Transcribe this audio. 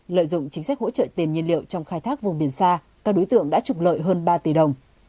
lợi dụng chính sách hỗ trợ tiền nhiên liệu trong khai thác vùng biển xa các đối tượng đã trục lợi hơn ba tỷ đồng